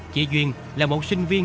chị duyên là một sinh viên